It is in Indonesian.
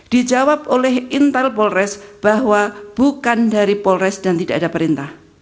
dijawab oleh intel polres bahwa bukan dari polres dan tidak ada perintah